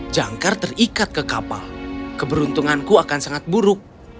jangkar terikat ke kapal keberuntunganku akan sangat buruk